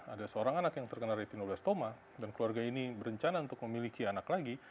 ada seorang anak yang terkena retinolestoma dan keluarga ini berencana untuk memiliki anak lagi